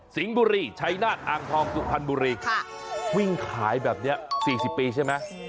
บุรีชัยนาฏอ่างทองสุพรรณบุรีวิ่งขายแบบนี้๔๐ปีใช่ไหม